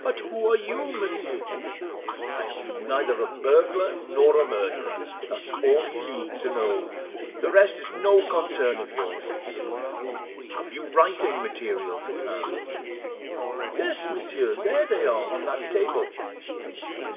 "But who are you, monsieur?" "I am neither a burglar nor a murderer; that's all you need to know; the rest is no concern of yours. Have you writing materials at hand?" "Yes, monsieur; there they are, on that table."